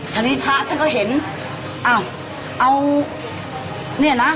ทันทีพระเจ้าก็เห็นเอานี่อ่ะนะ